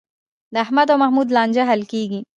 د احمد او محمود لانجه حل کېږي.